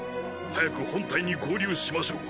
早く本隊に合流しましょう。